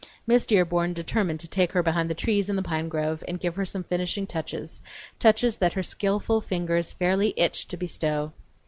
Miss Dearborn determined to take her behind the trees in the pine grove and give her some finishing touches; touches that her skillful fingers fairly itched to bestow.